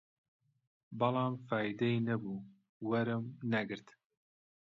بەڵام فایدەی نەبوو، وەرم نەگرت